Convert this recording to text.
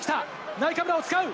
ナイカブラを使う！